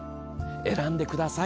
選んでください。